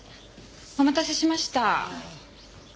お待たせしました。